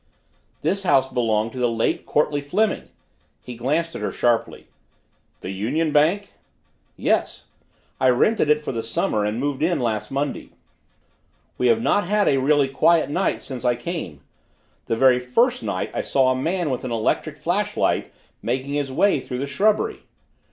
"This house belonged to the late Courtleigh Fleming." He glanced at her sharply. "The Union Bank?" "Yes. I rented it for the summer and moved in last Monday. We have not had a really quiet night since I came. The very first night I saw a man with an electric flashlight making his way through the shrubbery!"